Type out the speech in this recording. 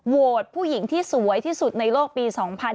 ผู้หญิงที่สวยที่สุดในโลกปี๒๕๕๙